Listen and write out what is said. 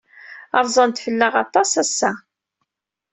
Rzan-d fell-aɣ aṭas ass-a.